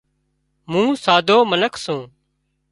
مون سادرو منک سُون